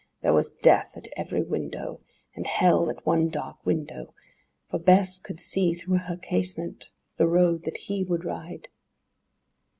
There was death at every window; And hell at one dark window; For Bess could see, through her casement, the road that he would ride.